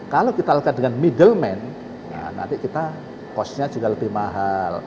kalau kita lakukan dengan middleman nanti kita costnya juga lebih mahal